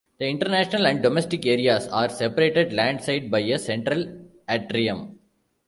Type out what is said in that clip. The international and domestic areas are separated landside by a central atrium.